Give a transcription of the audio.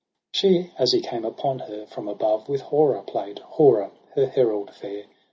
8 She, as he came upon her from above. With Hora play'd j Hora, her herald fair.